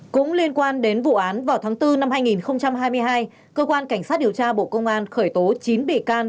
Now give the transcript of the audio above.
cũng liên quan đến vụ án vào tháng bốn năm hai nghìn hai mươi hai cơ quan cảnh sát điều tra bộ công an khởi tố chín bị can